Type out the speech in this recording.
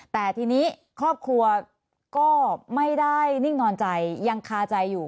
แต่ทีนี้ครอบครัวก็ไม่ได้นิ่งนอนใจยังคาใจอยู่